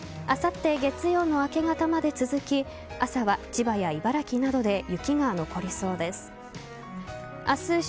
あさって月曜の明け方まで続き朝は千葉や茨城などで雪が残りそうです。